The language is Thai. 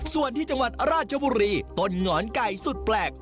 ส่วนที่จังหวัดราชบุรีต้นหงอนไก่สุดแปลก